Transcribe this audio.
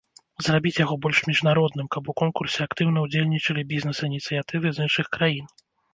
Зрабіць яго больш міжнародным, каб у конкурсе актыўна ўдзельнічалі бізнес-ініцыятывы з іншых краін.